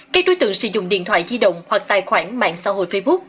các đối tượng sử dụng điện thoại di động hoặc tài khoản mạng xã hội facebook